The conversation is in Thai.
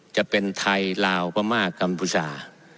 จะเป็นไทยลาวพม่ากัมพูชา